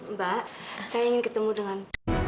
mbak saya ingin ketemu dengan